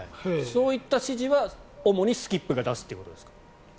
そういった指示は主にスキップが出すということですか。